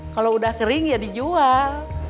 kalau udah kering ya dijual